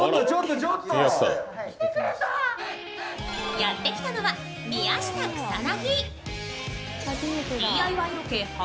やってきたのは宮下草薙。